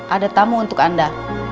ada tamu untuk anda